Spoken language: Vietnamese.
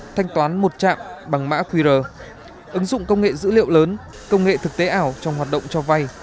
thanh toán một chạm bằng mã qr ứng dụng công nghệ dữ liệu lớn công nghệ thực tế ảo trong hoạt động cho vay